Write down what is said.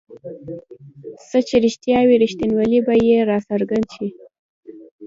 څه چې رښتیا وي رښتینوالی به یې راڅرګند شي.